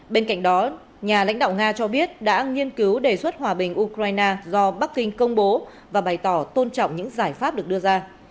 bên cạnh đó nhà lãnh đạo nga cho biết đã nghiên cứu đề xuất hòa bình ukraine do bắc kinh công bố và bày tỏ tôn trọng những giải pháp được đưa ra